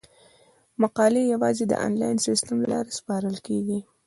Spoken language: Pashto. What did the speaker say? مقالې یوازې د انلاین سیستم له لارې سپارل کیږي.